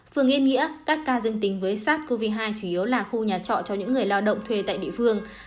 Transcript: phường yên nghĩa các ca dương tính với sars cov hai chủ yếu là khu nhà trọ cho những người lao động thuê tại địa phương